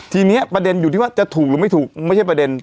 ทีนี้ประเด็นอยู่ที่ว่าจะถูกหรือไม่ถูกไม่ใช่ประเด็น